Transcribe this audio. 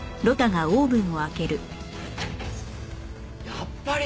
やっぱり！